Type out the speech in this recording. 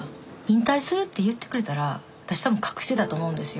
引退するって言ってくれたら私多分隠してたと思うんですよ。